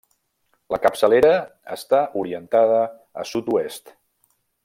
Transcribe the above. La capçalera està orientada a Sud-oest.